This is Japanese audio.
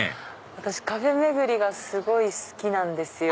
私カフェ巡りが好きなんですよ。